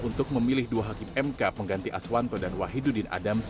untuk memilih dua hakim mk pengganti aswanto dan wahidudin adams